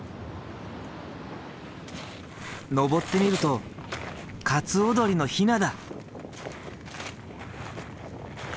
上ってみるとカツオドリのヒナだ。